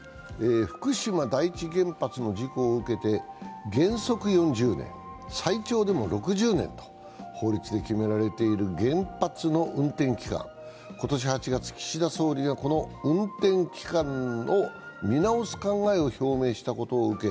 福島第一原発の事故を受けて原則４０年、最長でも６０年と法律で決められている原発の運転期間、今年８月、岸田総理がこの運転期間の見直しを表明したことを受け